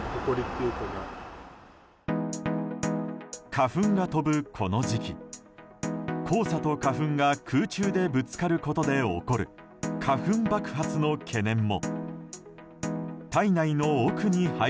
花粉が飛ぶ、この時期黄砂と花粉が空中でぶつかることで起こる花粉爆発の懸念も。